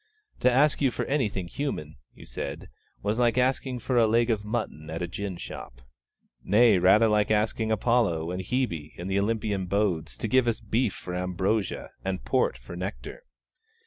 'To ask you for anything human,' you said, 'was like asking for a leg of mutton at a gin shop.' Nay, rather, like asking Apollo and Hebe, in the Olympian abodes, to give us beef for ambrosia, and port for nectar.